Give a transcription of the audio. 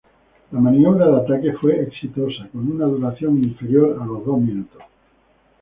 La maniobra de ataque fue exitosa, con una duración inferior a los dos minutos.